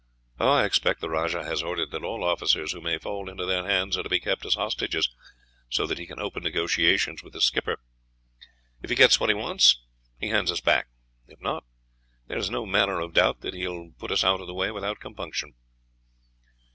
"I expect the rajah has ordered that all officers who may fall into their hands are to be kept as hostages, so that he can open negotiations with the skipper. If he gets what he wants, he hands us back; if not, there is no manner of doubt that he will put us out of the way without compunction."